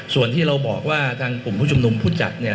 ส่วนที่เราบอกว่าทางกลุ่มผู้ชุมนุมผู้จัดเนี่ย